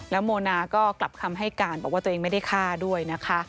โมนาก็กลับคำให้การบอกว่าตัวเองไม่ได้ฆ่าด้วยนะคะ